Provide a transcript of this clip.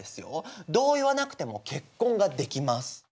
同意はなくても結婚ができます。